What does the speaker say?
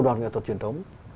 đoàn nghệ thuật truyền thống